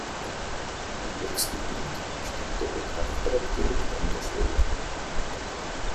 Im letzten Bild steht der Betrachter direkt an der Schwelle.